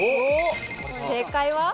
正解は？